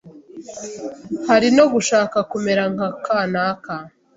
Hari no gushaka kumera nka kanaka